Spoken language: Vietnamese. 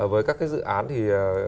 với các cái dự án thì